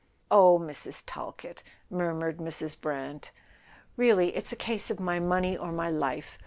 " "Oh, Mrs. Talkett " murmured Mrs. Brant. "Really: it's a case of my money or my life!"